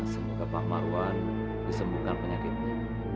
semoga pak marwan disembuhkan penyakitnya